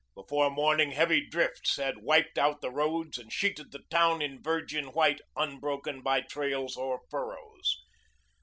Before morning heavy drifts had wiped out the roads and sheeted the town in virgin white unbroken by trails or furrows.